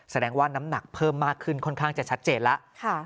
แสดงว่าน้ำหนักเพิ่มมากขึ้นค่อนข้างจะชัดเจนแล้ว